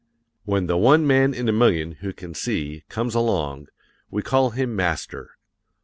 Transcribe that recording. When the one man in a million who can see comes along, we call him Master.